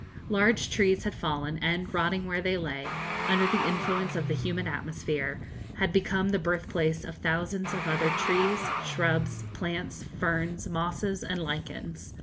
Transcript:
Large trees had fallen, and, rotting where they lay, under the influence of the humid atmosphere, had become the birthplace of thousands of other trees, shrubs, plants, ferns, mosses, and lichens.